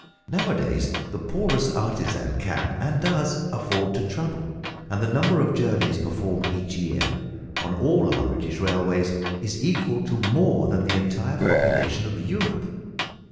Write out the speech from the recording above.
Now a days the poorest artisan can, and does, afford to travel, and the number of journeys performed each year on all our British railways is equal to more than the entire population of Europe!